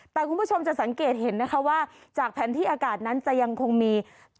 แต่คุณผู้ชมจะสังเกตเห็นนะคะว่าจากแผนที่อากาศนั้นจะยังคงมี